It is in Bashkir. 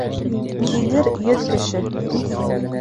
Килер йөҙ кеше